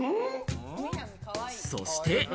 そして。